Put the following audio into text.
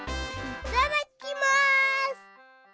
いただきます！